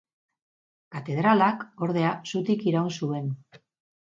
Katedralak ordea zutik iraun zuen.